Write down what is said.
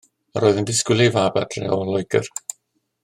Yr oedd yn disgwyl ei fab adre o Loegr.